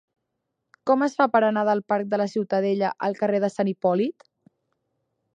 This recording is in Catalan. Com es fa per anar del parc de la Ciutadella al carrer de Sant Hipòlit?